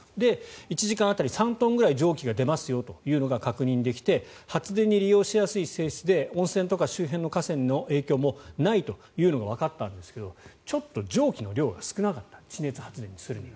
１時間当たり３トンくらい蒸気が出ますよというのが確認できて発電に利用しやすい性質で温泉とか周辺の河川への影響もないというのがわかったんですがちょっと蒸気の量が少なかった地熱発電にするには。